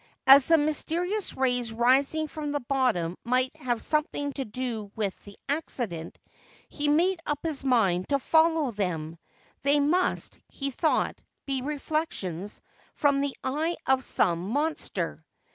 As the mysterious rays rising from the bottom might have something to do with the accident, he made up his mind to follow them : they must, he thought, be reflections from the eye of some monster.